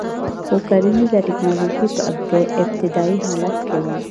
خو کرنیزه ټکنالوژي په ابتدايي حالت کې وه